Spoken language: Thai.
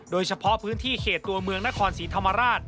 โดยเฉพาะพื้นที่เขตตัวเมืองนครศรีธรรมราช